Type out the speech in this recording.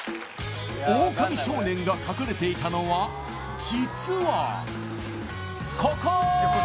オオカミ少年が隠れていたのは実はここ！